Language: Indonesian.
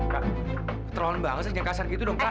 kak terlalu bangsa yang kasar gitu dong kak